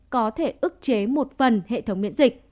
có thể ức chế một phần hệ thống miễn dịch